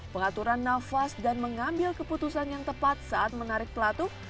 pengaturan nafas dan mengambil keputusan yang tepat saat menarik pelatuk